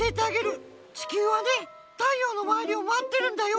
ちきゅうはね太陽のまわりをまわってるんだよ。